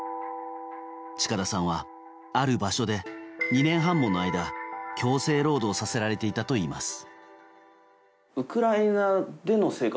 近田さんは、ある場所で２年半もの間強制労働させられていたといいます。